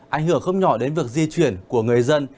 ảnh hưởng không nhỏ đến việc di chuyển của người dân